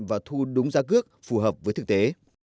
và thu đúng giá cước phù hợp với thực tế